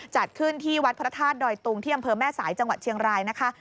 จัดขึ้นที่วัดพระธาตุดอยตุงที่อำเภอแม่สายจังหวัดเชียงรายนะคะ